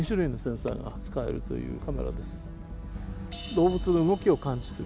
動物の動きを感知する。